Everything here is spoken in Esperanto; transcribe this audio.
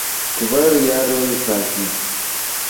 Kvar jaroj pasis.